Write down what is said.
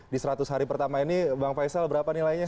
di seratus hari pertama ini bang faisal berapa nilainya